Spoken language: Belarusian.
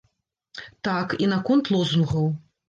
Так, і наконт лозунгаў.